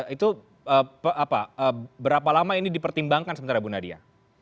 itu berapa lama ini dipertimbangkan sementara bu nadia